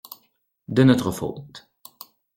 De notre faute.